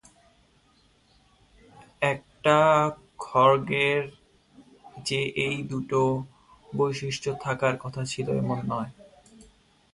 একটা খড়্গের যে এই দুটো বৈশিষ্ট্যই থাকার কথা ছিল, এমন নয়।